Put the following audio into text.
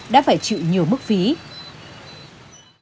đã phải chịu nhiều mức phí